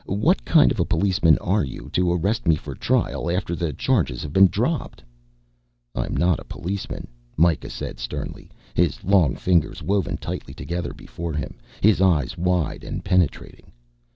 What kind of a policeman are you to arrest me for trial after the charges have been dropped?" "I'm not a policeman," Mikah said sternly, his long fingers woven tightly together before him, his eyes wide and penetrating.